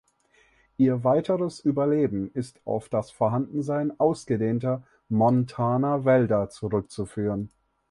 Ihr weiteres Überleben ist auf das Vorhandensein ausgedehnter montaner Wälder zurückzuführen.